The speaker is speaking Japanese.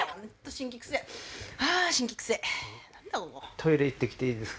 トイレ行ってきていいですか？